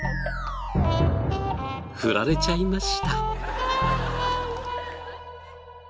フラれちゃいました。